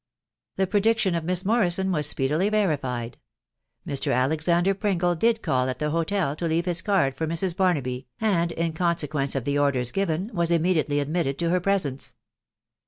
The prediction of Miss Morrison was speedily verified; Mr. Alexander Pringle did call at the hotel to leave his cud for Mrs. Barnaby, and, in consequence of the orders given, immediately admitted to her presence.